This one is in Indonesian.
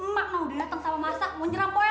mak udah dateng sama masa mau nyerang po ella